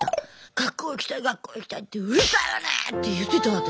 「学校行きたい学校行きたいってうるさいわね！」って言ってた私。